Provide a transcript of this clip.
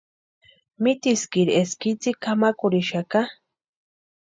Mitiskiri eska itsï kʼamakurhixaka.